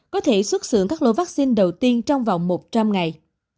có thể xuất xưởng các lô vaccine đầu tiên trong vòng một trăm linh ngày